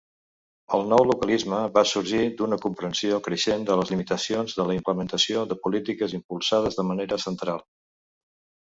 El nou localisme va sorgir d'una comprensió creixent de les limitacions de la implementació de polítiques impulsades de manera central.